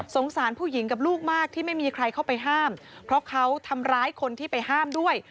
สารผู้หญิงกับลูกมากที่ไม่มีใครเข้าไปห้ามเพราะเขาทำร้ายคนที่ไปห้ามด้วย